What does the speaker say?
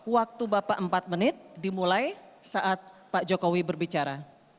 waktu bapak empat menit dimulai saat pak jokowi berbicara